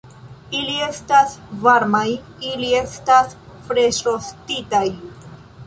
Ili estas varmaj... ili estas freŝrostitaj